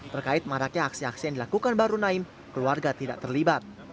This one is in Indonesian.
terkait maraknya aksi aksi yang dilakukan baru naim keluarga tidak terlibat